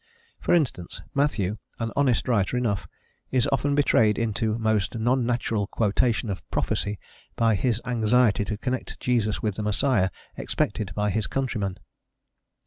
For instance, Matthew, an honest writer enough, is often betrayed into most non natural quotation of prophecy by his anxiety to connect Jesus with the Messiah expected by his countrymen.